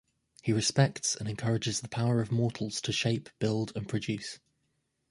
He respects and encourages the power of mortals to shape, build, and produce.